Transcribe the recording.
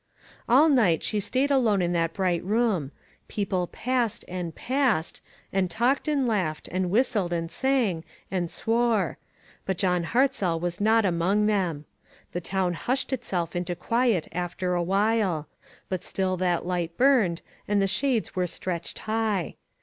All night she stayed alone in the bright room. People passed and passed, and talked and laughed, and whistled, and sang, and swore ; but John Hartzell was not among them. The town hushed itself into quiet after a while ; but still that light burned, and the shades were stretched high.